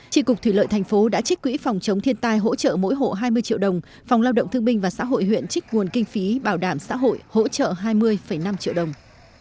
trị cục thủy lợi thành phố đã trích quỹ phòng chống thiên tai hỗ trợ mỗi hộ hai mươi triệu đồng phòng lao động thương minh và xã hội huyện trích nguồn kinh phí bảo đảm xã hội hỗ trợ hai mươi năm triệu đồng